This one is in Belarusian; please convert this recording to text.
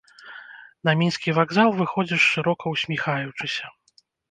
На мінскі вакзал выходзіш шырока ўсміхаючыся.